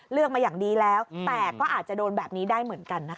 เลือกมาอย่างดีแล้วแต่ก็อาจจะโดนแบบนี้ได้เหมือนกันนะคะ